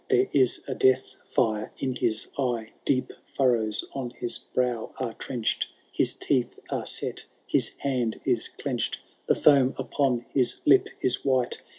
There is a death fire in his eye. Deep furrows on his brow are trench'd. His teeth are set, his hand is clench'd. The foam upon his lip is white.